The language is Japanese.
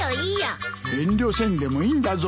遠慮せんでもいいんだぞ。